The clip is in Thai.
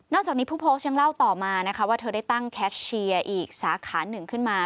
จากนี้ผู้โพสต์ยังเล่าต่อมานะคะว่าเธอได้ตั้งแคชเชียร์อีกสาขาหนึ่งขึ้นมา